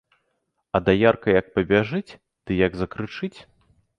А даярка як пабяжыць ды як закрычыць.